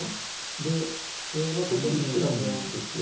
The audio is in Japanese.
でえまあこれ取る一手なんですよ。